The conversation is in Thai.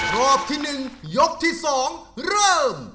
รอบที่๑ยกที่๒เริ่ม